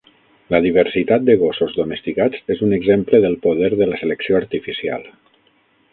La diversitat de gossos domesticats és un exemple del poder de la selecció artificial.